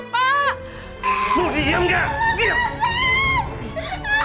bapak kenapa menahan ibu pak